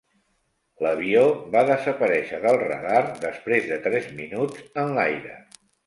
L'avió va desaparèixer del radar després de tres minuts en l'aire.